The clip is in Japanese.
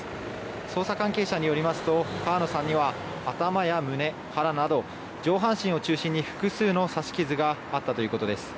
捜査関係者によりますと川野さんには頭や胸、腹など上半身を中心に複数の刺し傷があったということです。